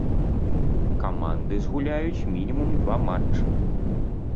Каманда згуляюць мінімум два матчы.